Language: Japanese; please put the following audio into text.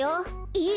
えっ？